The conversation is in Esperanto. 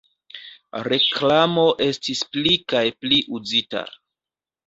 Reklamo estis pli kaj pli uzita.